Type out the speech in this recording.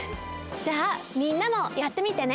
じゃあみんなもやってみてね！